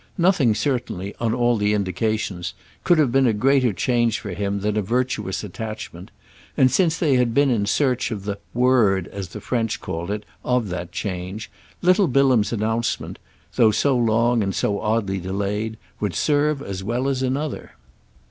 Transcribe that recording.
Nothing certainly, on all the indications, could have been a greater change for him than a virtuous attachment, and since they had been in search of the "word" as the French called it, of that change, little Bilham's announcement—though so long and so oddly delayed—would serve as well as another.